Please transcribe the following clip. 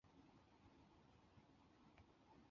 手持式光炮来福枪。